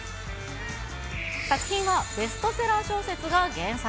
作品はベストセラー小説が原作。